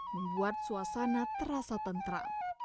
membuat suasana terasa tentra